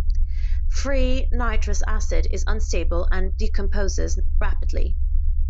Free nitrous acid is unstable and decomposes rapidly.